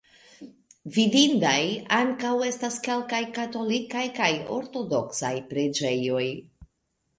Vidindaj ankaŭ estas kelkaj katolikaj kaj ortodoksaj preĝejoj.